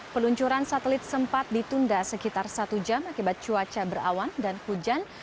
peluncuran satelit sempat ditunda sekitar satu jam akibat cuaca berawan dan hujan